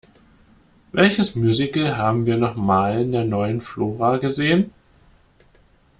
Welches Musical haben wir noch mal in der Neuen Flora gesehen?